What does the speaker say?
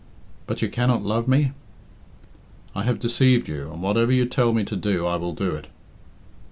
"But you cannot love me?" "I have deceived you, and whatever you tell me to do I will do it."